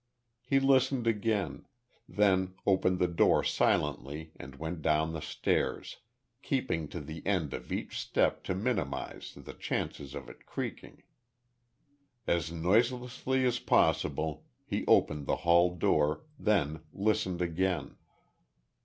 He listened again then opened the door silently, and went down the stairs, keeping to the end of each step to minimise the chances of it creaking. As noiselessly as possible he opened the hall door, then listened again.